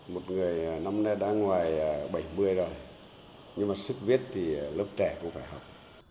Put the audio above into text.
một người năm nay đã ngoài bảy mươi rồi nhưng mà sức viết thì lớp trẻ cũng phải học